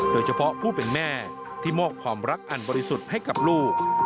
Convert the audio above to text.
โดยเฉพาะผู้เป็นแม่ที่มอบความรักอันบริสุทธิ์ให้กับลูก